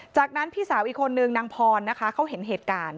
จากนั้นพี่สาวอีกคนนึงนางพรนะคะเขาเห็นเหตุการณ์